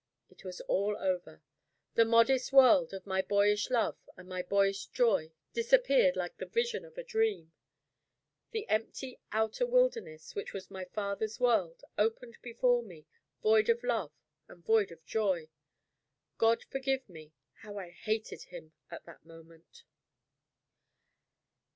It was all over. The modest world of my boyish love and my boyish joy disappeared like the vision of a dream. The empty outer wilderness, which was my father's world, opened before me void of love and void of joy. God forgive me how I hated him at that moment!